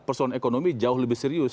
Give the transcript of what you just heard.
persoalan ekonomi jauh lebih serius